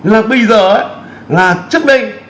bây giờ là trước đây